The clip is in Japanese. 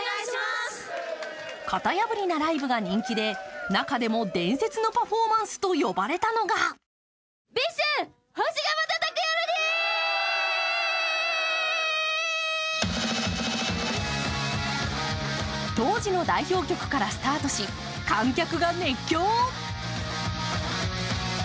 型破りなライブが人気で中でも伝説のパフォーマンスと呼ばれたのが当時の代表曲からスタートし観客が熱狂。